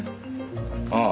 ああ。